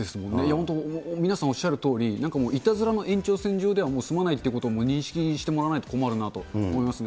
本当、皆さんおっしゃるとおり、なんかいたずらの延長線上では済まないということも認識してもらわないと困るなと思いますね。